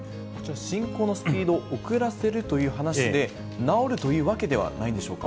進行のスピード、遅らせるという話で、治るというわけではないんでしょうか。